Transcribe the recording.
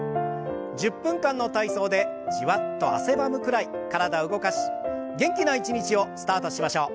１０分間の体操でじわっと汗ばむくらい体を動かし元気な一日をスタートしましょう。